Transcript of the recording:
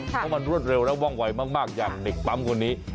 เพราะมันรวดเร็วและว่องไวมากอย่างเด็กปั๊มคนนี้